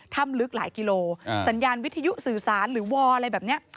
ลึกหลายกิโลสัญญาณวิทยุสื่อสารหรือวออะไรแบบนี้